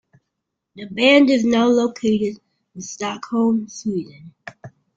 The band is now located in Stockholm, Sweden.